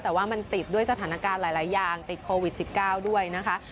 แต่ว่ามันติดด้วยสถานการณ์หลายอย่างติดโควิด๑๙ด้วยนะคะ